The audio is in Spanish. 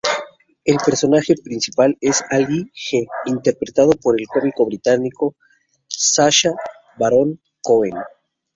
El personaje principal es Ali G, interpretado por el cómico británico Sacha Baron Cohen.